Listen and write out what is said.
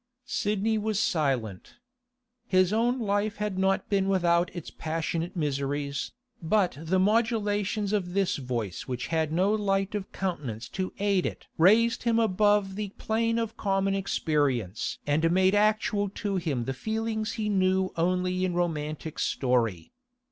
Sidney was silent. His own life had not been without its passionate miseries, but the modulations of this voice which had no light of countenance to aid it raised him above the plane of common experience and made actual to him the feelings he knew only in romantic story.